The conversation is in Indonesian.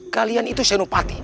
kalian itu senopati